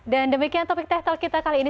dan demikian topik ted talk kita kali ini